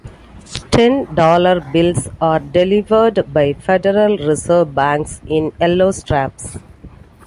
Ten-dollar bills are delivered by Federal Reserve Banks in yellow straps.